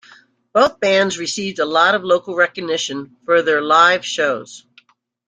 Both bands received a lot of local recognition for their live shows.